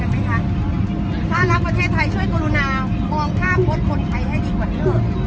กันไหมคะภาระประเทศไทยช่วยกรุณาความค่าควดผลไทยให้ดีกว่าเที่ยว